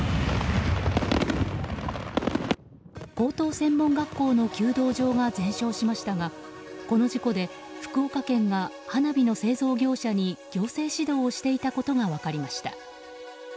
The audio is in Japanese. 高等専門学校の弓道場が全焼しましたがこの事故で、福岡県が花火の製造業者に行政指導をしていたことが分かりました。